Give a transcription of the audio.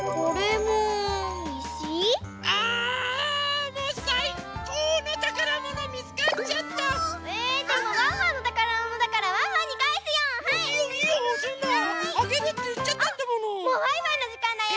もうバイバイのじかんだよ！